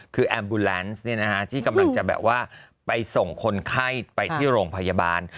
คือแอมบูแลนซ์ที่กำลังจะแบบว่าไปส่งคนไข้ไปที่โรงพยาบาล